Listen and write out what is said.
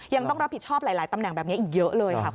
ยังต้องรับผิดชอบหลายตำแหน่งแบบนี้อีกเยอะเลยค่ะคุณ